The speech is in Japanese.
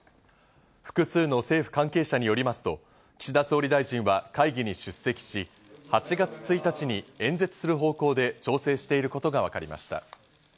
複数の政府関係者によりますと岸田総理大臣は会議に出席し、８月１日に演説する方向で調整していることがわかりました。